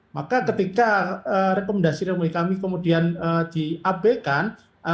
maka ketika rekomendasi rekomendasi kami kemudian di ab kan